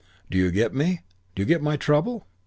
Do you get me? Do you get my trouble?